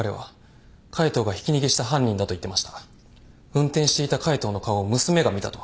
運転していた海藤の顔を娘が見たと。